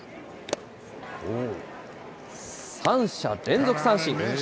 ３者連続三振。